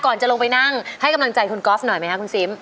จะลงไปนั่งให้กำลังใจคุณก๊อฟหน่อยไหมคะคุณซิม